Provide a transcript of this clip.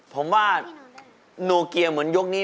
ผมว่าโนเกียเหมือนยกนี้